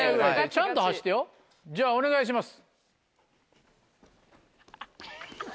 ちゃんと走ってよじゃあお願いします。